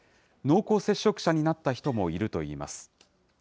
濃厚接触者になった人もいるといいます。